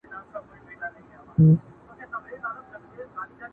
هغې ته د ټولني پېغور او شرم تر ټولو لوی فشار ښکاري،